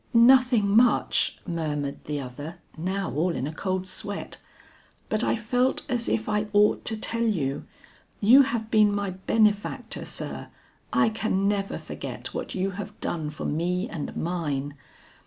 "Nothing much," murmured the other now all in a cold sweat. "But I felt as if I ought to tell you. You have been my benefactor, sir, I can never forget what you have done for me and mine.